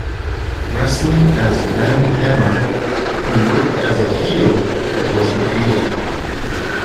Wrestling as Van Hammer, he worked as a heel but was defeated.